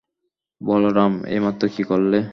বলরাম, এইমাত্র কী করলে?